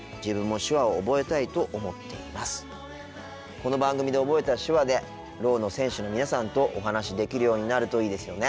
この番組で覚えた手話でろうの選手の皆さんとお話しできるようになるといいですよね。